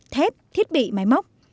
thép thiết bị máy móc